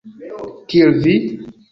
Kiel vi?